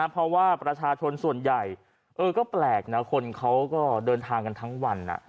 เพราะว่าประชาชนส่วนใหญ่ก็แปลกนะคนเขาก็เดินทางกันทั้งวัน